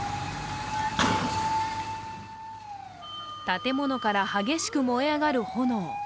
建物から激しく燃え上がる炎。